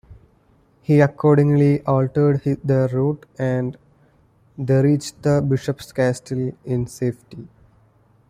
He accordingly altered their route, and they reached the bishop's castle in safety.